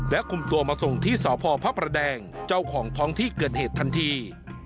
คุมตัวมาส่งที่สพพระประแดงเจ้าของท้องที่เกิดเหตุทันที